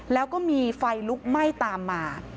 แล้วก็มีไฟลุกไหม้ตามมา